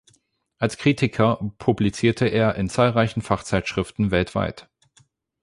Als Kritiker publizierte er in zahlreichen Fachzeitschriften weltweit.